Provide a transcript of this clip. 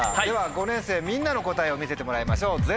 では５年生みんなの答えを見せてもらいましょう！